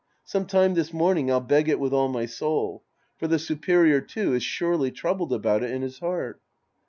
Some time this morning I'll beg it with all my soul. For the superior, too, is surely troubled about it in his heart.